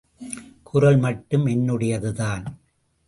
குரல் மட்டும் என்னுடையதுதான்.